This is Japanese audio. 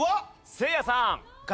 せいやさん。